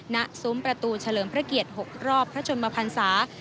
ซุ้มประตูเฉลิมพระเกียรติ๖รอบพระชนมพันศา